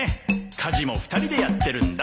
家事も２人でやってるんだ